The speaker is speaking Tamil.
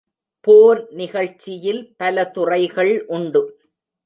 போர் நிகழ்ச்சியில் பல துறைகள் உண்டு.